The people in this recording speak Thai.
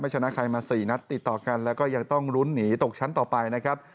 ชนะใครมา๔นัดติดต่อกันแล้วก็ยังต้องลุ้นหนีตกชั้นต่อไปนะครับ